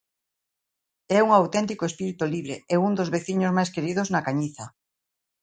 É un auténtico espírito libre e un dos veciños máis queridos na Cañiza.